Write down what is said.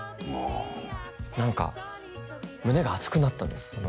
ああ何か胸が熱くなったんです